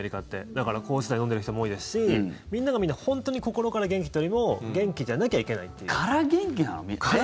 だから抗うつ剤を飲んでいる人も多いですしみんながみんな本当に心から元気ってよりも元気じゃなきゃいけないという。